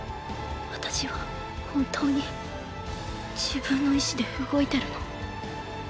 私は本当に自分の意志で動いてるの？